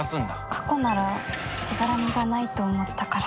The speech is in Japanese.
未来ならしがらみがないと思ったから。